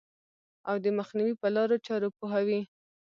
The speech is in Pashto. او د مخنیوي په لارو چارو پوهوي.